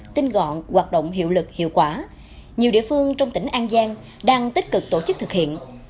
tinh gọn hoạt động hiệu lực hiệu quả nhiều địa phương trong tỉnh an giang đang tích cực tổ chức thực hiện